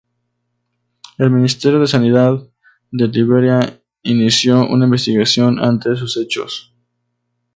El Ministerio de Sanidad de Liberia inició una investigación ante estos hechos.